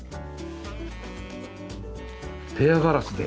ペアガラスで。